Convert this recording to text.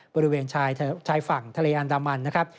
บริเวณชายฝั่งทะเลอันดามันนะครับ